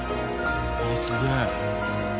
あっすげえ。